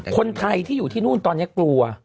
คนไทยที่อยู่ที่นู่นตอนนี้กลัว